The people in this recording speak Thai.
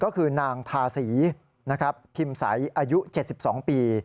ก็คือนางทาศรีพิมษ์สายอายุ๗๒ปี